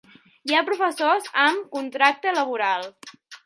Hi ha professors amb contracte laboral.